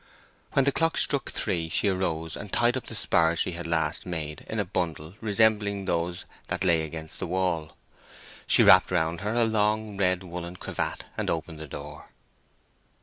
When the clock struck three she arose and tied up the spars she had last made in a bundle resembling those that lay against the wall. She wrapped round her a long red woollen cravat and opened the door.